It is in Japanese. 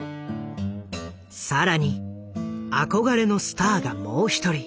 更に憧れのスターがもう一人。